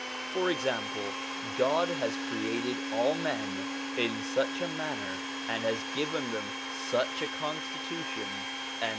For example, God has created all men in such a manner, and has given them such a constitution and such 1 Of.